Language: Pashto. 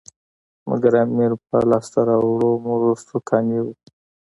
مګر امیر په لاسته راوړو مرستو قانع وو.